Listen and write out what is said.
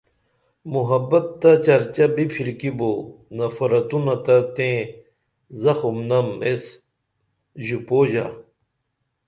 محبت تہ چرچہ بِپھرکی بو نفرتونہ تہ تئیں زخم نم ایس ژُپوژہ